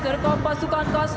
dari kompasukan kast